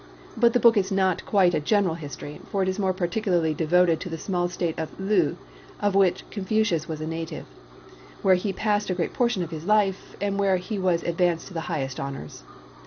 But the book is not quite a general history for it is more particularly devoted to the small State of Loo of which Confucius was a native, where he passed a great portion of his life, and where he was advanced to the highest honours.